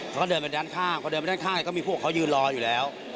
เขาก็เดินไปด้านข้างพอเดินไปด้านข้างก็มีพวกเขายืนรออยู่แล้ว